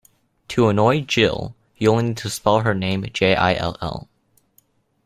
To annoy Gill, you only need to spell her name Jill.